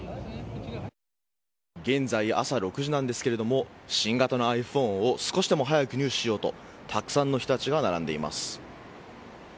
現在、朝６時なんですけども新型ｉＰｈｏｎｅを少しでも早く入手しようとたくさんの人たちが並んでいます。